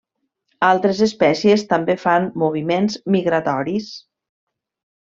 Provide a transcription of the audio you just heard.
Altres espècies també fan moviments migratoris.